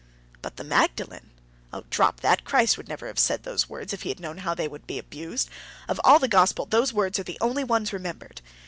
"But the Magdalen?" "Ah, drop that! Christ would never have said those words if He had known how they would be abused. Of all the Gospel those words are the only ones remembered.